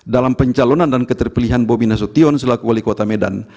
dalam pencalonan dan keterpilihan bobi nasution selaku wali kota medan